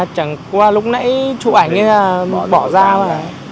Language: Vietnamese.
chẳng qua lúc nãy chụp ảnh bỏ ra mà